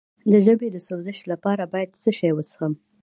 د ژبې د سوزش لپاره باید څه شی وڅښم؟